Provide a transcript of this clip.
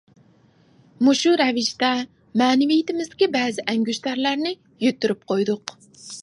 مۇشۇ رەۋىشتە مەنىۋىيىتىمىزدىكى بەزى ئەڭگۈشتەرلەرنى يىتتۈرۈپ قويدۇق.